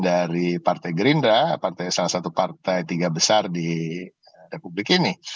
dari partai gerindra salah satu partai tiga besar di republik ini